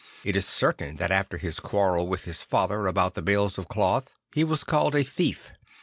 It is certain that after his quarrel with his father about the bales of cloth he was called a thief.